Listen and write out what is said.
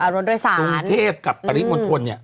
กรุงเทพฯกับปริศมนต์พล